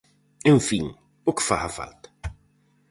En fin, o que faga falta.